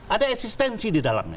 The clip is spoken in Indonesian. ada eksistensi di dalamnya